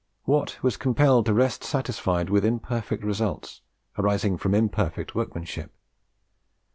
Watt was compelled to rest satisfied with imperfect results, arising from imperfect workmanship.